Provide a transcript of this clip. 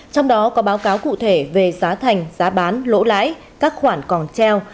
trong đó có báo cáo cụ thể về giá thành giá bán lỗ lãi các khoản còn treo